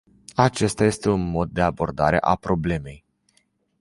Acesta este un mod de abordare a problemei.